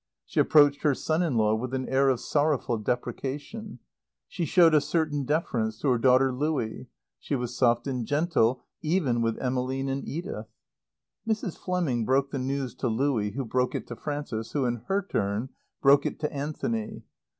She approached her son in law with an air of sorrowful deprecation; she showed a certain deference to her daughter Louie; she was soft and gentle even with Emmeline and Edith. Mrs. Fleming broke the news to Louie who broke it to Frances who in her turn broke it to Anthony.